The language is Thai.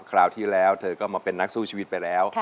คราวที่แล้วเธอก็มาเป็นนักสู้ชีวิตไปแล้ว